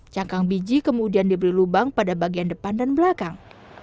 cangkang biji kemudian diberi lubang pada bagian depan dan belakang